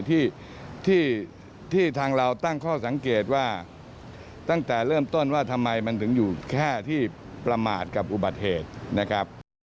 ที่ทางเราตั้งข้อสังเกตว่าตั้งแต่เริ่มต้นว่าทำไมมันถึงอยู่แค่ที่ประมาทกับอุบัติเหตุนะครับ